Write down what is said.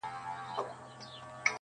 دپښتون نړیواله ورځ دې د ډیورنډ